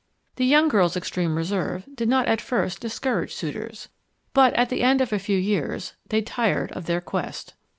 The young girl's extreme reserve did not at first discourage suitors; but at the end of a few years, they tired of their quest.